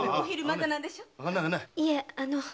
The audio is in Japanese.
いえあの。